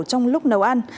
trong lúc nấu ăn